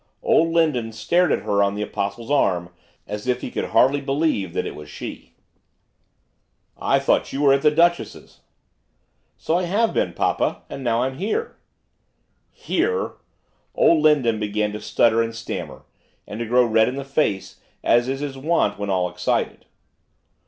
Old Lindon stared at her on the Apostle's arm, as if he could hardly believe that it was she. 'I thought that you were at the Duchess'?' 'So I have been, papa; and now I'm here.' 'Here!' Old Lindon began to stutter and stammer, and to grow red in the face, as is his wont when at all excited.